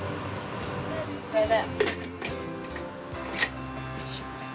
これで。